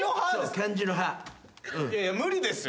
漢字の「歯」いやいや無理ですよ。